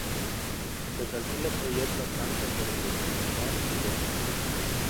Se calcula que hay otro tanto por identificar y describir.